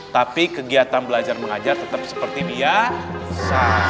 tapi kegiatan belajar mengajar tetap seperti biasa